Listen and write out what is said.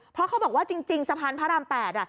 เพราะเขาบอกว่าจริงสะพานพระราม๘